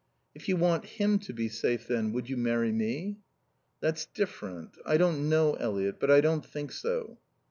"If you want him to be safe, then, would you marry me?" "That's different. I don't know, Eliot, but I don't think so."